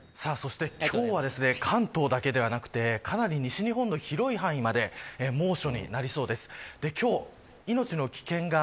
さあ、そして今日は関東だけではなくてかなり西日本の広い範囲まで猛暑になりそうです。